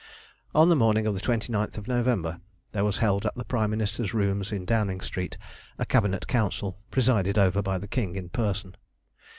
On the morning of the 29th of November there was held at the Prime Minister's rooms in Downing Street a Cabinet Council, presided over by the King in person.